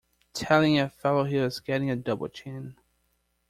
Telling a fellow he was getting a double chin!